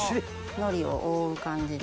海苔を覆う感じで。